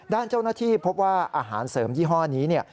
ด้านเจ้าหน้าที่พบว่าอาหารเสริมยี่ห้อนี้เนี่ย